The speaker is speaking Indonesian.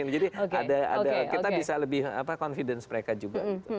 jadi kita bisa lebih confidence mereka juga